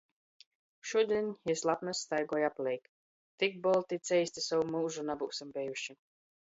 Šudiņ jis lapnys staigoj apleik: "Tik bolti i ceisti sovu myužu nabyusim bejuši!"